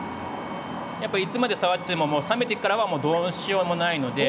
やっぱいつまで触ってももう冷めてからはどうしようもないので。